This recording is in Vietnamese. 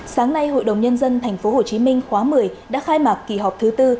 sáng nay hội đồng nhân dân tp hcm khóa một mươi đã khai mạc kỳ họp thứ tư